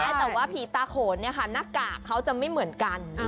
แต่ว่าผีตาโขนเนี่ยค่ะหน้ากากเขาจะไม่เหมือนกัน